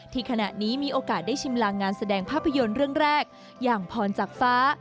ขณะนี้มีโอกาสได้ชิมลางงานแสดงภาพยนตร์เรื่องแรกอย่างพรจากฟ้า